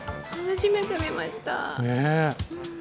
初めて見ました。